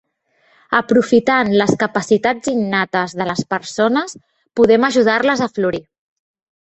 Aprofitant les capacitats innates de les persones, podem ajudar-les a florir.